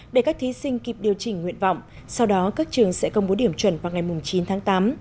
để các thí sinh kịp điều chỉnh nguyện vọng sau đó các trường sẽ công bố điểm chuẩn vào ngày chín tháng tám